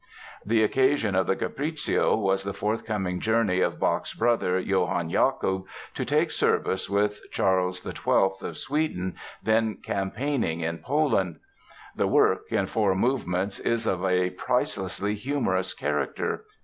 The occasion of the Capriccio was the forthcoming journey of Bach's brother, Johann Jakob, to take service with Charles XII of Sweden, then campaigning in Poland. The work, in four movements, is of a pricelessly humorous character.